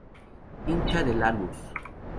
Hincha de Lanús.